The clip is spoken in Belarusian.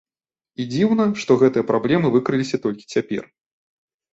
І дзіўна, што гэтыя праблемы выкрыліся толькі цяпер.